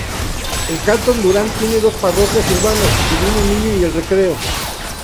El canton Duran tiene dos parroquias urbanas: Divino Niño y El Recreo.